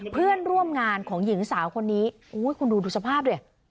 เพื่อนร่วมงานของหญิงสาวคนนี้คุณดูดูสภาพดิ